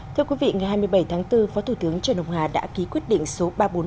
thưa quý vị ngày hai mươi bảy tháng bốn phó thủ tướng trần ông hà đã ký quyết định số ba trăm bốn mươi năm